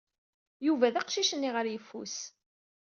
Yuba d aqcic-nni ɣer yeffus.